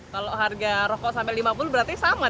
kalau harga rokok sampai lima puluh berarti sama